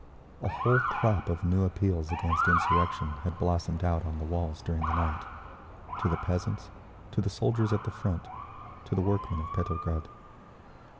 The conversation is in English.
A whole crop of new appeals against insurrection had blossomed out on the walls during the night—to the peasants, to the soldiers at the front, to the workmen of Petrograd.